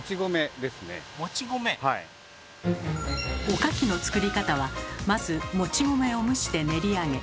おかきの作り方はまずもち米を蒸して練り上げ